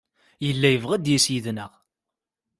Yella yebɣa ad d-yas yid-neɣ.